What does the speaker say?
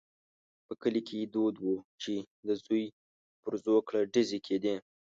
په کلي کې دود وو چې د زوی پر زوکړه ډزې کېدې.